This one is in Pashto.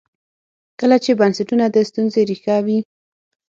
کله چې بنسټونه د ستونزې ریښه وي.